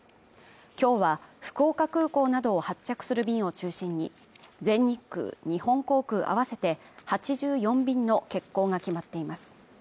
今日は福岡空港などを発着する便を中心に全日空・日本航空あわせて８４便の欠航が決まっています